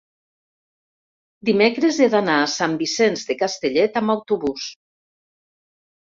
dimecres he d'anar a Sant Vicenç de Castellet amb autobús.